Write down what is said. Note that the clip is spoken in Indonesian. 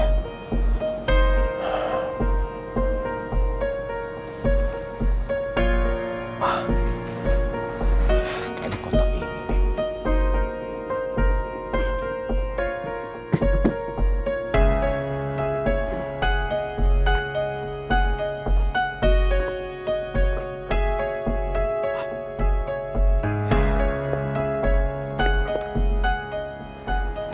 kayaknya kotak ini